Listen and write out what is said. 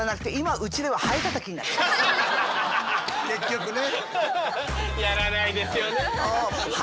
結局ね。